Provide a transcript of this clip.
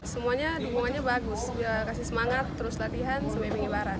semuanya dukungannya bagus kasih semangat terus latihan semuanya mengibarat